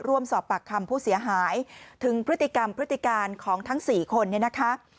ร่วมสอบปากคำผู้เสียหายถึงพฤติกรรมพฤติการของทั้ง๔คนเนี่ยนะคะ